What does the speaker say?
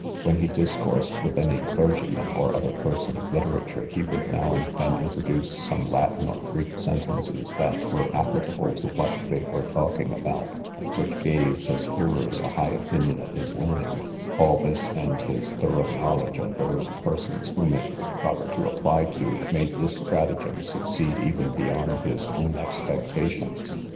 When he discoursed with any clergyman, or other person of literature, he would now and then introduce some Latin or Greek sentences, that were applicable to what they were talking about, which gave his hearers a high opinion of his learning; all this, and his thorough knowledge of those persons whom it was proper to apply to, made this stratagem succeed even beyond his own expectations.